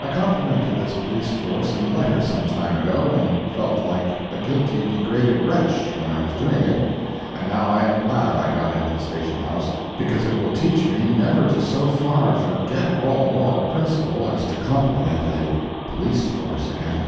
I complimented this police force in a letter some time ago, and felt like a guilty, degraded wretch when I was doing it, and now I am glad I got into the Station House, because it will teach me never to so far forget all moral principle as to compliment a police force again.